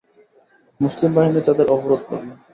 মুসলিম বাহিনী তাদের অবরোধ করল।